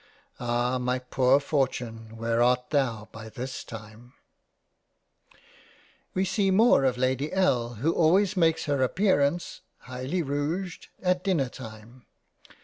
Ah ! my poor Fortune where art thou by this time ? We see more of Lady L. who always makes her appearance (highly rouged) at Dinner time.